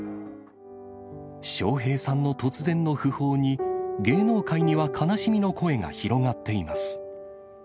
笑瓶さんの突然の訃報に、芸能界には悲しみの声が広がっています。